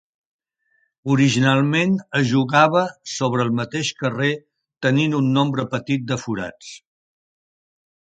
Originalment, es jugava sobre el mateix carrer tenint un nombre petit de forats.